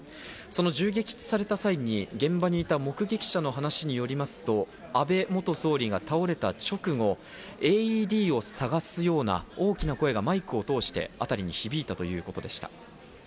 その銃撃された際に現場にいた目撃者の話によりますと、安倍元総理が倒れた直後、ＡＥＤを探すような大きな声がマイクを通して辺りに響いたということでした。